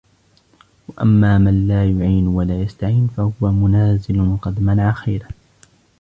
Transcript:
وَأَمَّا مَنْ لَا يُعِينُ وَلَا يَسْتَعِينُ فَهُوَ مُنَازِلٌ قَدْ مَنَعَ خَيْرَهُ